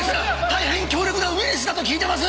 大変強力なウイルスだと聞いてます！